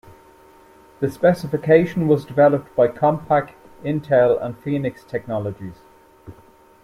The specification was developed by Compaq, Intel and Phoenix Technologies.